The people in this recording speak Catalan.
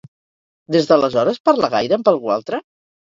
Des d'aleshores parla gaire amb algú altre?